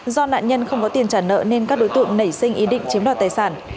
do nạn nhân không có tiền trả nợ nên các đối tượng nảy sinh ý định chiếm đoạt tài sản